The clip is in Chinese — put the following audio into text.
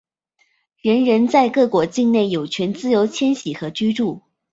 人人在各国境内有权自由迁徙和居住。